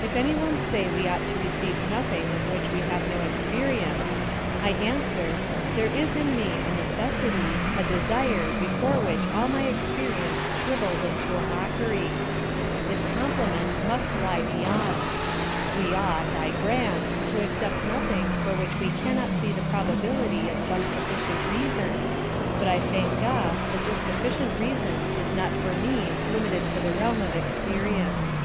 If any one say we ought to receive nothing of which we have no experience; I answer, there is in me a necessity, a desire before which all my experience shrivels into a mockery. Its complement must lie beyond. We ought, I grant, to accept nothing for which we cannot see the probability of some sufficient reason, but I thank God that this sufficient reason is not for me limited to the realm of experience.